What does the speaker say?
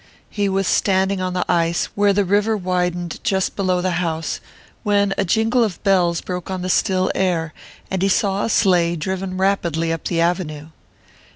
He was standing on the ice, where the river widened just below the house, when a jingle of bells broke on the still air, and he saw a sleigh driven rapidly up the avenue.